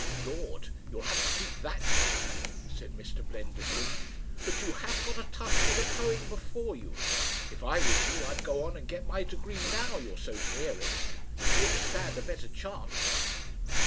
"Lord! you'll have to keep that dark," said Mr. Blendershin. "But you have got a tough bit of hoeing before you. If I was you I'd go on and get my degree now you're so near it. You'll stand a better chance."